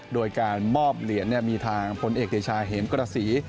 โดยการมอบเหรียญมีทางพลเอกเดชาเหมกระสี